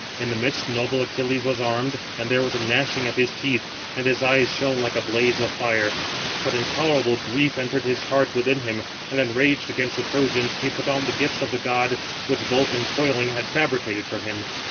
In the midst noble Achilles was armed, and there was a gnashing of his teeth, and his eyes shone like a blaze of fire; but intolerable grief entered his heart within him, and, enraged against the Trojans, he put on the gifts of the god, which Vulcan, toiling, had fabricated for him.